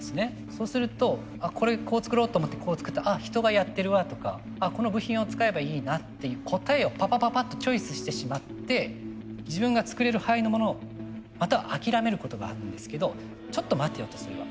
そうすると「これこう作ろう」と思ってこう作った「あ人がやってるわ」とか「この部品を使えばいいな」っていう答えをパパパパッとチョイスしてしまって自分が作れる範囲のものをまたは諦めることがあるんですけどちょっと待てよとそれは。